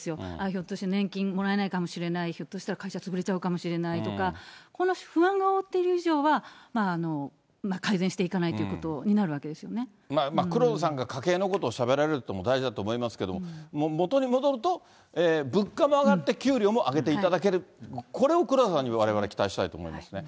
ひょっとして年金もらえないかもしれない、ひょっとしたら会社潰れちゃうかもしれないとか、この不安があおってる以上は改善していかないということになるわ黒田さんが家計のことをしゃべられることも大事だと思いますけれども、元に戻ると、物価も上がって給料も上げていただける、これを黒田さんにわれわれ、期待したいと思いますね。